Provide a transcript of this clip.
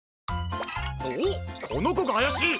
おっこのこがあやしい！